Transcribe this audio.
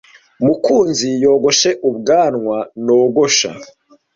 Mukunzi yogoshe ubwanwa nogosha.